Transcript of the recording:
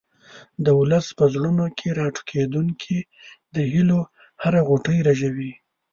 د ولس په زړونو کې راټوکېدونکې د هیلو هره غوټۍ رژوي.